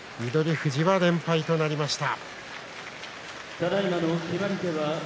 富士は連敗となりました。